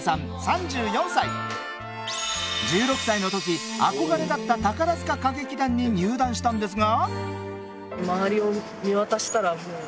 １６歳の時憧れだった宝塚歌劇団に入団したんですが。